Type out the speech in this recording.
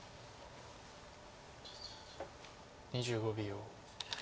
２５秒。